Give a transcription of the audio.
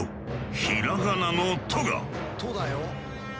ひらがなの「と」が。